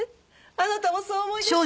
あなたもそうお思いでしょ？